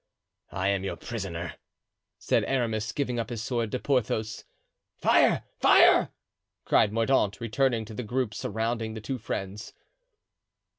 "I am your prisoner," said Aramis, giving up his sword to Porthos. "Fire, fire!" cried Mordaunt, returning to the group surrounding the two friends.